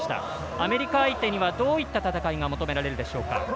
アメリカ相手にはどういった戦いが求められるでしょうか？